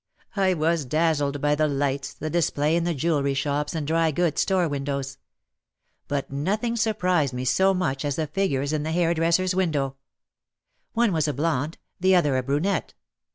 I was dazzled by the lights, the display in the jewelry shops and dry goods store windows. But nothing surprised me so much as the figures in the hair dresser's window. One was a blonde, the other a brunette.